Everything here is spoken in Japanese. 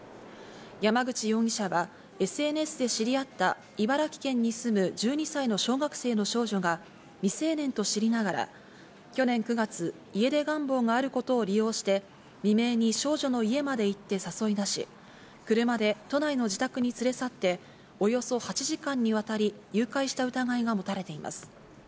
山口容疑者はＳＮＳで知り合った、茨城県に住む１２歳の小学生の少女が未成年と知りながら、去年９月、家出願望があることを利用して未明に少女の家まで行って誘い出し、車で都内の自宅に連れ去って、およそ８時間にわたり誘拐した疑いが持たれています。